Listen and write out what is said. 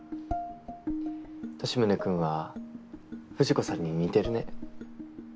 利宗君は藤子さんに似てるね。